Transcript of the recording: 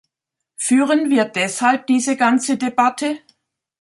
Führen wir deshalb diese ganze Debatte?